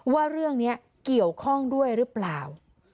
ว่าเรื่องนี้เกี่ยวข้องด้วยหรือเปล่า